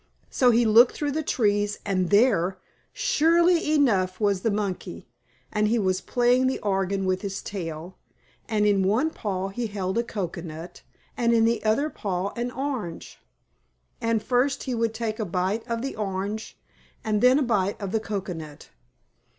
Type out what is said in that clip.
So he looked through the trees, and there, surely enough, was the monkey, and he was playing the organ with his tail, and in one paw he held a cocoanut and in the other paw an orange, and first he would take a bite of the orange, and then a bite of the cocoanut.